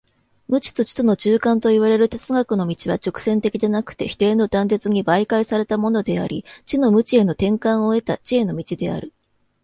無知と知との中間といわれる哲学の道は直線的でなくて否定の断絶に媒介されたものであり、知の無知への転換を経た知への道である。